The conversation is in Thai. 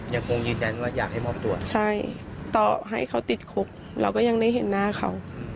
ยังคงยืนยันว่าอยากให้มอบตัวใช่ต่อให้เขาติดคุกเราก็ยังได้เห็นหน้าเขา